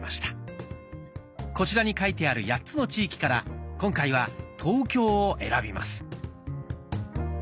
こちらに書いてある８つの地域から今回は「東京」を選びます。